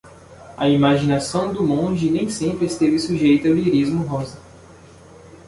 A imaginação do monge nem sempre esteve sujeita ao lirismo rosa.